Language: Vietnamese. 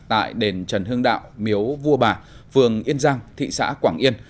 tại đền trần hương đạo miếu vua bà phường yên giang thị xã quảng yên